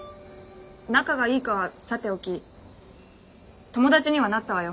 仲がいいかはさておき友達にはなったわよ。